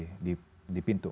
jadi kita fokuskan di pintu